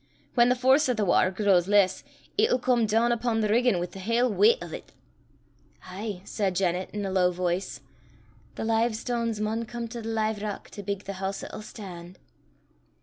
Whan the force o' the watter grows less, it'll come doon upo' the riggin' wi' the haill weicht o' 't." "Ay!" said Janet, in a low voice, "the live stanes maun come to the live rock to bigg the hoose 'at'll stan'."